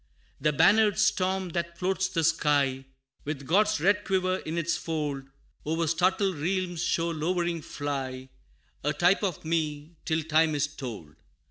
The bannered storm that floats the sky, With God's red quiver in its fold, O'er startled realms shall lowering fly, A type of me, till time is told.